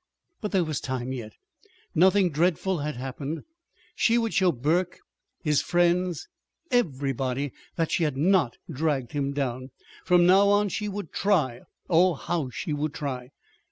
But there was time yet. Nothing dreadful had happened. She would show Burke, his friends, everybody, that she had not dragged him down. From now on she would try. Oh, how she would try!